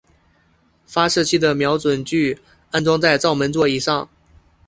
发射器的瞄准具安装在照门座以上。